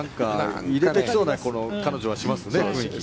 入れてきそうな彼女はしますね、雰囲気。